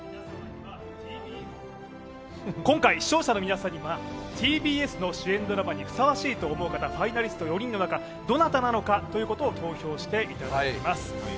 今回視聴者の皆様にはＴＢＳの主演ドラマにふさわしいと思う方、ファイナリスト４人の中、どなたなのかということを投票していただきます。